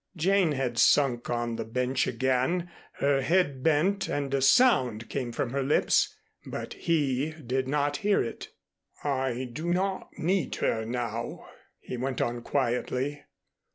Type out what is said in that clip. Jane had sunk on the bench again, her head bent and a sound came from her lips. But he did not hear it. "I do not need her now," he went on quietly.